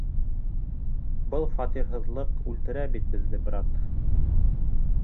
Был фатирһыҙлык үлтерә бит беҙҙе, брат!